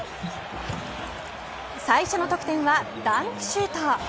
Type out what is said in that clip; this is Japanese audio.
最初の得点はダンクシュート。